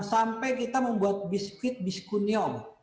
sampai kita membuat biskuit biskunium